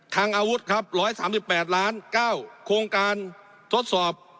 ทางอาวุธครับร้อยสามสิบแปดล้านเก้าโครงการทดสอบ